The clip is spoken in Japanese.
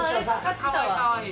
かわいいかわいい。